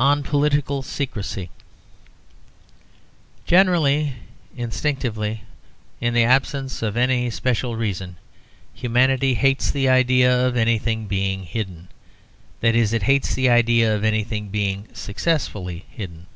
ON POLITICAL SECRECY Generally, instinctively, in the absence of any special reason, humanity hates the idea of anything being hidden that is, it hates the idea of anything being successfully hidden.